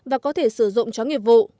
và có thể sử dụng cho nghiệp vụ